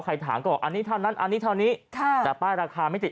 ถามก็บอกอันนี้เท่านั้นอันนี้เท่านี้ค่ะแต่ป้ายราคาไม่ติด